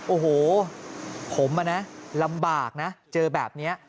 โอ้โหผมลำบากนะเจอแบบนี้